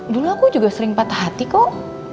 dulu aku juga sering patah hati kok